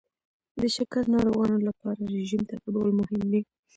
د شکر ناروغانو لپاره رژیم تعقیبول مهم دي.